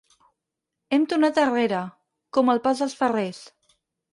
Hem tornat arrere, com el pas dels ferrers.